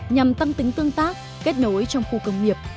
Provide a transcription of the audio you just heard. nhằm tăng tính tương tác kết nối trong khu công nghiệp